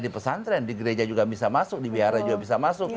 mereka juga bisa masuk ke sana